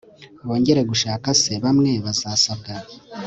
bongere gushaka se, bamwe bazasabwa